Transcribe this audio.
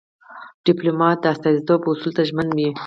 ډيپلومات د استازیتوب اصولو ته ژمن وي.